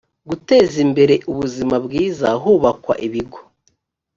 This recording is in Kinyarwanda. guteza imbere ubuzima bwiza hubakwa ibigo